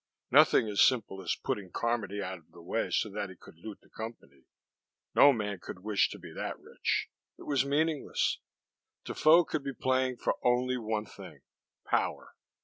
Nothing as simple as putting Carmody out of the way so that he could loot the Company. No man could wish to be that rich! It was meaningless.... Defoe could be playing for only one thing power.